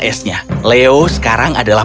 esnya leo sekarang adalah